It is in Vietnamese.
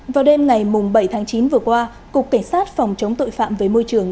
vào đêm ngày bảy tháng chín vừa qua cục cảnh sát phòng chống tội phạm với môi trường